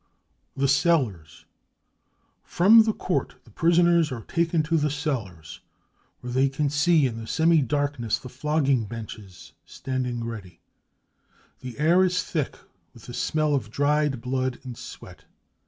* Xhe Cellars. From the Court the prisoners are taken to the cellars, where they can see, in the semi darkness, the 198 BROWN BOOK OF THE HITLER TERROR flogging benches standing ready. The air is thick with the smell of dried blood and sweat.